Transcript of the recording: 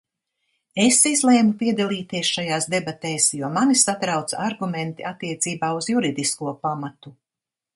Es izlēmu piedalīties šajās debatēs, jo mani satrauca argumenti attiecībā uz juridisko pamatu.